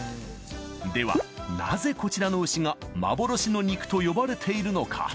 ではなぜこちらの牛が幻の肉と呼ばれているのか？